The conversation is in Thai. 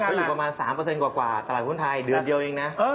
ก็อยู่ประมาณ๓เปอร์เซ็นต์กว่าตลาดหุ้นไทยเดือนเดียวเองนะ